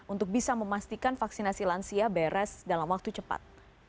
untuk bisa memastikan vaksinasi lansia beres dalam waktu cepat